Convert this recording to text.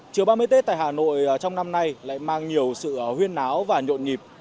chiều ba mươi tết tại hà nội trong năm nay lại mang nhiều sự huyê áo và nhộn nhịp